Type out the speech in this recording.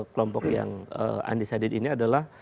kelompok yang undecided ini adalah